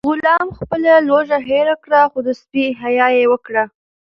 غلام خپله لوږه هېره کړه خو د سپي حیا یې وکړه.